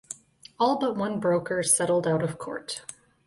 All but one broker settled out of court.